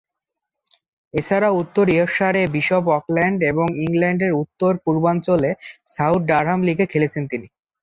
এছাড়াও উত্তর ইয়র্কশায়ারে বিশপ অকল্যান্ড এবং ইংল্যান্ডের উত্তর পূর্বাঞ্চলের সাউথ ডারহাম লীগে খেলেছেন তিনি।